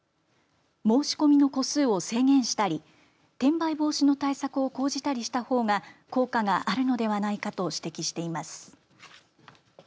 申し込みの戸数を制限したり転売防止の対策を講じたりしたほうが効果があるのではないかと指摘しています。